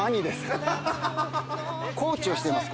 コーチをしてます。